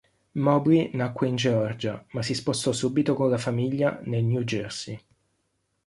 Mobley nacque in Georgia, ma si spostò subito con la famiglia nel New Jersey.